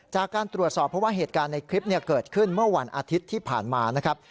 จากการตรวจสอบเพราะว่าเหตุการณ์ในคลิปเกิดขึ้นเมื่อวันอาทิตย์ที่ผ่านมานะครับ